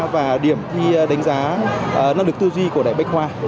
và điểm thi đánh giá năng lực tư duy của đại bách khoa